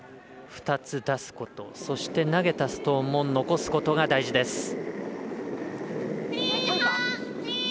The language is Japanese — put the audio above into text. ２つ出すこと投げたストーンを残すことが大事です。